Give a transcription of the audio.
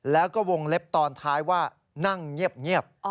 แล้วก็วงเล็บตอนท้ายว่านั่งเงียบ